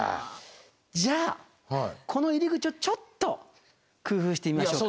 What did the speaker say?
じゃあこの入り口をちょっと工夫してみましょう。